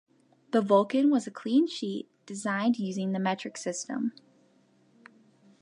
The Vulcan was a clean-sheet design using the metric system.